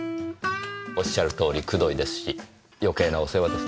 おっしゃるとおりくどいですし余計なお世話ですねぇ。